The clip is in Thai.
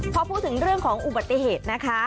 พอพูดถึงเรื่องของอุบัติเหตุนะคะ